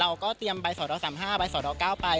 เราก็เตรียมใบสอดออก๓๕ใบสอดออก๙ไป